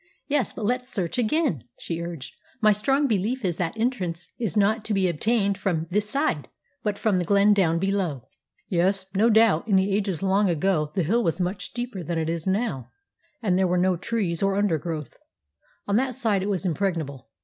"Yes, but let's search again," she urged. "My strong belief is that entrance is not to be obtained from this side, but from the glen down below." "Yes, no doubt in the ages long ago the hill was much steeper than it now is, and there were no trees or undergrowth. On that side it was impregnable.